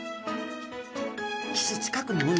岸近くの海